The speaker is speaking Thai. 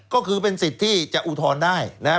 ก็คือเป็นสิทธิ์ที่จะอุทธรณ์ได้นะครับ